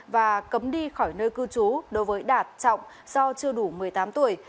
và cấm đi khỏi nơi cư trú đối với đạt trọng do chưa đủ một mươi tám tuổi